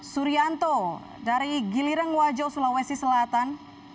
surianto dari gilireng wajo sulawesi selatan